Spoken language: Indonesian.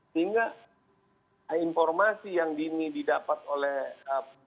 sehingga informasi yang dini didapat oleh eh